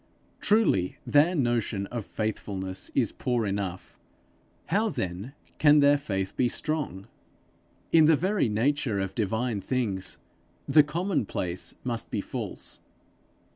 Truly their notion of faithfulness is poor enough; how then can their faith be strong! In the very nature of divine things, the common place must be false.